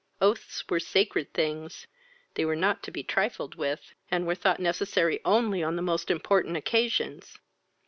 Oaths were sacred things; they were not to be trifled with, and were thought necessary only on the most important occasions.